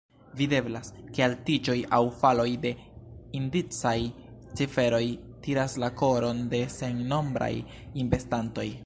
Videblas, ke altiĝoj aŭ faloj de indicaj ciferoj tiras la koron de sennombraj investantoj.